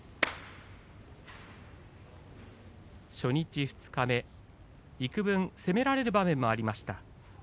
初日、二日目、いくぶん攻められる場面がありました。